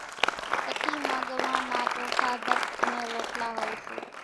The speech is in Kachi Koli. سٺِي مان ڳنوان نا ٽوٺا، ڀت انين روٽلا هوئيَ سي۔